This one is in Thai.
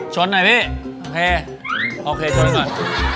หน่อยพี่โอเคโอเคชนก่อน